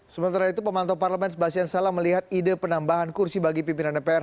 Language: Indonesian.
sementara itu pemantau parlemen sebastian salah melihat ide penambahan kursi bagi pimpinan dpr